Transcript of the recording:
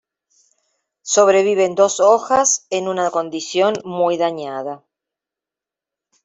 Sobreviven dos hojas en una condición muy dañada.